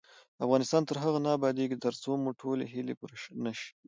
افغانستان تر هغو نه ابادیږي، ترڅو مو ټولې هیلې پوره نشي.